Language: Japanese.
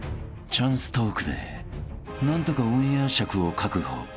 ［チャンストークで何とかオンエア尺を確保］